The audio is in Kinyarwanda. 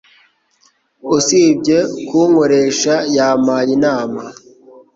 Usibye kunkoresha, yampaye inama